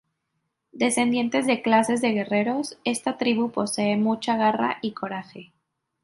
Descendientes de clases de guerreros, esta tribu posee mucha garra y coraje.